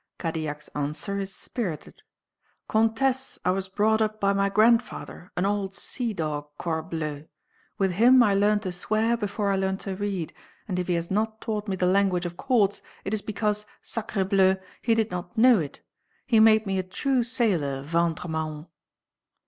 Cadillac's answer is spirited. "Comtesse, I was brought up by my grandfather, an old sea dog, corbleu! With him I learnt to swear before I learnt to read, and if he has not taught me the language of courts, it is because, sacrébleu! he did not know it. He made me a true sailor, ventre mahon!"